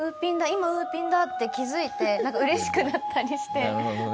今ウーピンだ！」って気づいて嬉しくなったりしてます。